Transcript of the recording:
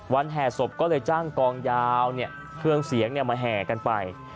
วันแห่ศพก็เลยจ้างกองยาวเนี่ยเครื่องเสียงเนี่ยมาแห่กันไป